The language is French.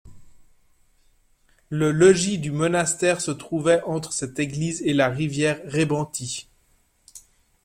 Le logis du monastère se trouvait entre cette église et la rivière Rébenty.